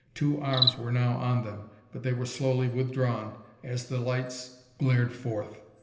Two arms were now on them but they were slowly withdrawn as the lights glared forth.